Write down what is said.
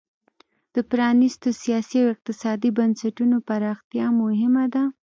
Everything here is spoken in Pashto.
د پرانیستو سیاسي او اقتصادي بنسټونو پراختیا مهمه ده.